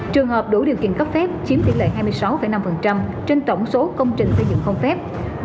trường hợp đủ điều kiện cấp phép chiếm tỷ lệ hai mươi sáu năm trên tổng số công trình xây dựng không phép